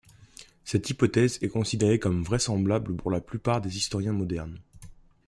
Cette hypothèse est considérée comme vraisemblable par la plupart des historiens modernes.